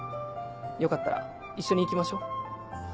よかったら一緒に行きましょ？